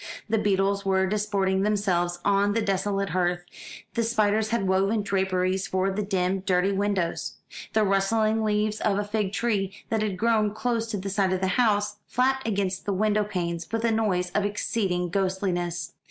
The beetles were disporting themselves on the desolate hearth, the spiders had woven draperies for the dim dirty windows. The rustling leaves of a fig tree, that had grown close to this side of the house, flapped against the window panes with a noise of exceeding ghostliness.